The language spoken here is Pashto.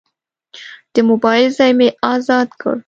د موبایل ځای مې ازاد کړ.